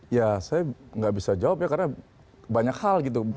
ya saya nggak bisa jawab ya karena banyak hal gitu